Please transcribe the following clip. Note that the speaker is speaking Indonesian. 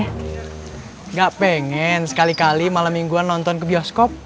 tidak pengen sekali kali malam mingguan nonton ke bioskop